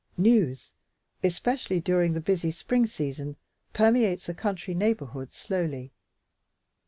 News, especially during the busy spring season, permeates a country neighborhood slowly.